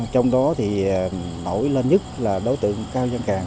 trong đó thì nổi lên nhất là đối tượng cao giang càng